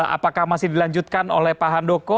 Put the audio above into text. apakah masih dilanjutkan oleh pak handoko